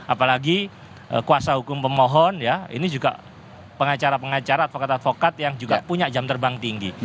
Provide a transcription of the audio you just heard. apalagi kuasa hukum pemohon ya ini juga pengacara pengacara advokat advokat yang juga punya jam terbang tinggi